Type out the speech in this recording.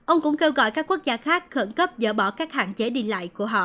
ông cũng kêu gọi các quốc gia khác khẩn cấp dỡ bỏ các hạn chế đi lại của họ